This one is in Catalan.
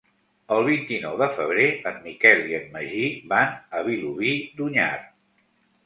El vint-i-nou de febrer en Miquel i en Magí van a Vilobí d'Onyar.